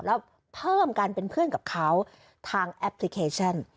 แล้วเพิ่มการเป็นเพื่อนกับเขาทางแอปพลิเคชัน